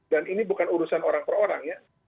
dan ini bukan urusan orang per orang ya